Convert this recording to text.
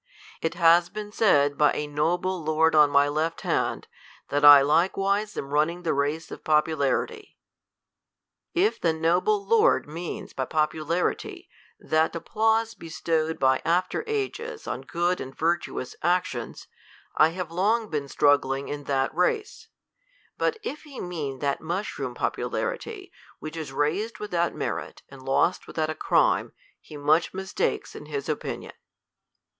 It has been said by a noble lord on my left hand, that I like wise am running the race of popularity. If the noble lord % THE COLUMBIAN ORATOR. lord means by popularity, that applause bestowed by after ages on good and virtuous actions, I have long been struggling in that race. But if he mean that mushroom popularity, which is raised without merit and lost without a crime, he much mistakes in his opinion.